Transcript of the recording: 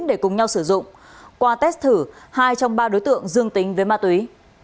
để cùng nhau sử dụng qua test thử hai trong ba đối tượng dương tính với ma túy